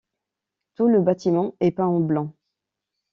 Tout le bâtiment est peint en blanc.